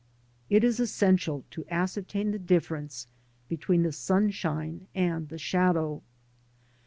It is essential to ascertain the difference between the sunshine and the shadow.